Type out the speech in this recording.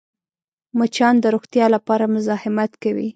مچان د روغتیا لپاره مزاحمت کوي